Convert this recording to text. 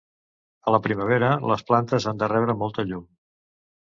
A la primavera les plantes han de rebre molta llum.